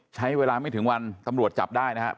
ใช้เวลาไม่ถึงวันตำรวจจับได้นะครับ